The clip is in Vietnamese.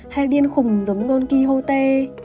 hay điên khùng giống don quixote